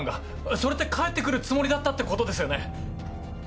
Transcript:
それって帰ってくるつもりってことですよね？